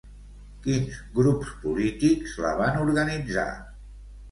Quins grups polítics la van organitzar?